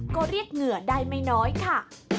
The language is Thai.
ก็เรียกเหงื่อได้ไม่น้อยค่ะ